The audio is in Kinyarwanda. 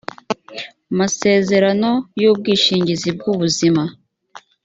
masezerano y ubwishingizi bw ubuzima